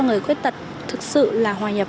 người khuyết tật thực sự hòa nhập